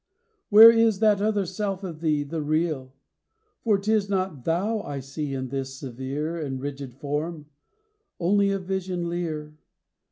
Where is that other self of thee, the real? For 'tis not thou I see in this severe And rigid form; only a vision leer!